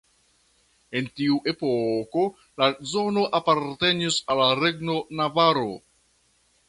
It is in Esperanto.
En tiu epoko la zono apartenis al la regno Navaro.